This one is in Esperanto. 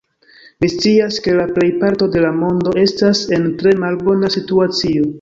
Mi scias, ke la plejparto de la mondo estas en tre malbona situacio.